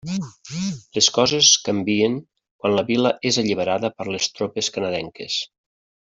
Les coses canvien quan la vila és alliberada per les tropes canadenques.